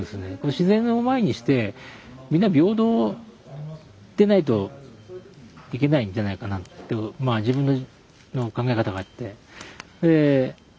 自然を前にしてみんな平等でないといけないんじゃないかなとまあ自分の考え方があって。